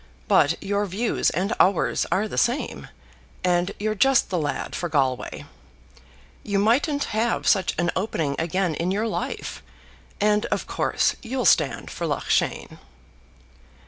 But your views and ours are the same, and you're just the lad for Galway. You mightn't have such an opening again in your life, and of course you'll stand for Loughshane."